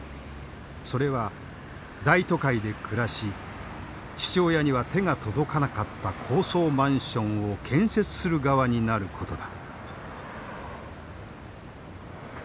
それは大都会で暮らし父親には手が届かなかった高層マンションを建設する側になることだ。